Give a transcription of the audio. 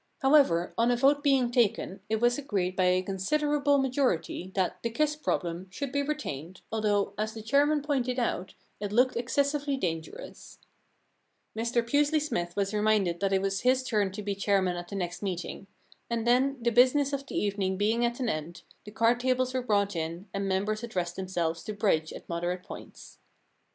However, on a vote being taken, it was agreed by a considerable majority that * The Kiss Problem ' should be retained, although, as the chairman pointed out, it looked exces sively dangerous. Mr Pusely Smythe was reminded that it was his turn to be chairman at the next meeting. And then, the business of the evening being at an end, the card tables were brought in, and members addressed themselves to bridge at moderate points.